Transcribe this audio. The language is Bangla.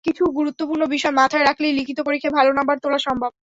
কিছু গুরুত্বপূর্ণ বিষয় মাথায় রাখলেই লিখিত পরীক্ষায় ভালো নম্বর তোলা সম্ভব।